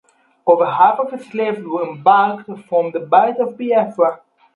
Over half of his slaves were embarked from the Bight of Biafra.